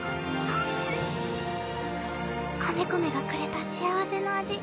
コメコメがくれた幸せの味